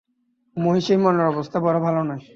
মহিষীর মনের অবস্থা বড়ো ভালো নয়।